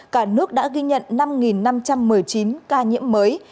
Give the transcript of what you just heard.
cả nước đã ghi nhận năm năm trăm một mươi chín ca nhiễm mới